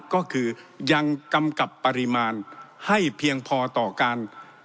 ก็คือยังกำกับปริมาณให้เพียงพอต่อการ